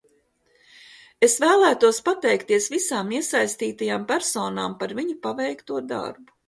Es vēlētos pateikties visām iesaistītajām personām par viņu paveikto darbu.